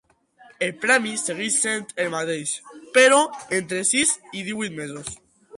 El premi segueix sent el mateix però entre sis i divuit mesos.